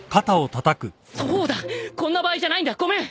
そうだこんな場合じゃないんだごめん！